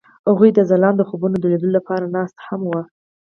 هغوی د ځلانده خوبونو د لیدلو لپاره ناست هم وو.